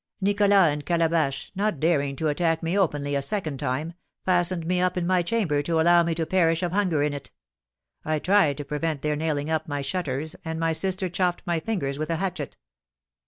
"Nicholas and Calabash, not daring to attack me openly a second time, fastened me up in my chamber to allow me to perish of hunger in it. I tried to prevent their nailing up my shutters, and my sister chopped my fingers with a hatchet."